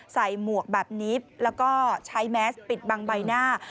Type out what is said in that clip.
หมวกแบบนี้แล้วก็ใช้แมสปิดบังใบหน้า